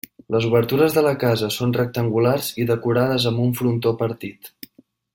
Les obertures de la casa són rectangulars i decorades amb un frontó partit.